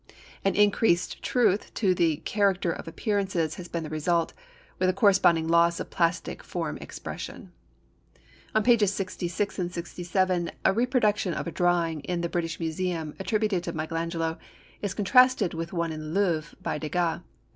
An increased truth to the character of appearances has been the result, with a corresponding loss of plastic form expression. On pages 66 and 67 a reproduction of a drawing in the British Museum, attributed to Michael Angelo, is contrasted with one in the Louvre by Degas.